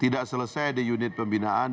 tidak selesai di unit pembinaan